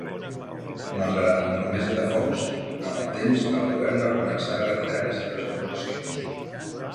Malgrat la promesa de Fox, amb el temps el govern va començar a retirar les seves acusacions.